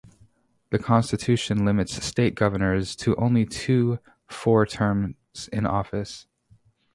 The constitution limits state governors to only two four-year terms in office.